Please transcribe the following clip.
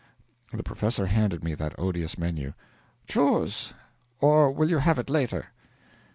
The professor handed me that odious menu. 'Choose or will you have it later?'